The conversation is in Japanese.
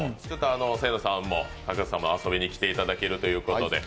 清野さんも坂口さんも遊びに来ていただけるということで。